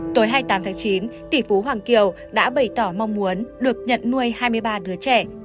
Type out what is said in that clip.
tối hai mươi tám tháng chín tỷ phú hoàng kiều đã bày tỏ mong muốn được nhận nuôi hai mươi ba đứa trẻ